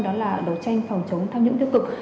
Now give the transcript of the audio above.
đó là đấu tranh phòng chống tham nhũng tiêu cực